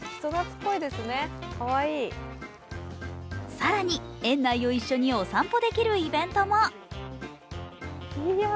更に、園内を一緒にお散歩できるイベントも。